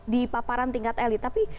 di paparan tingkat elit tapi